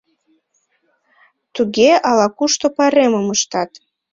— Туге, ала-кушто пайремым ыштат.